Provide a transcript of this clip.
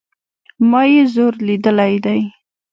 ما ئې زور ليدلى دئ